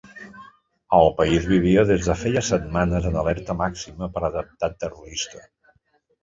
El país vivia des de feia setmanes en alerta màxima per atemptat terrorista.